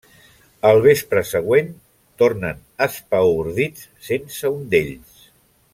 El vespre següent, tornen espaordits sense un d'ells.